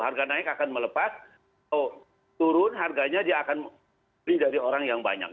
harga naik akan melepas atau turun harganya dia akan beli dari orang yang banyak